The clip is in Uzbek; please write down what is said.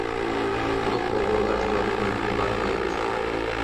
Ulug‘ bobolar yodi mangu barhayot